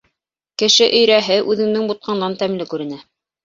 Кеше өйрәһе үҙендең бутҡаңдан тәмле күренә.